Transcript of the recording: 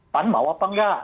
pan mau apa enggak